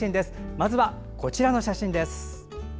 まずはこちらの写真です。